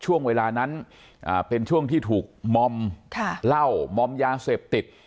ช่วงเวลานั้นเป็นช่วงที่ถูกมอมเหล้ามอมยาเสพติด